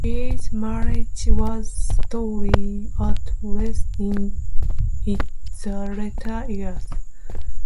His marriage was stormy, at least in its later years.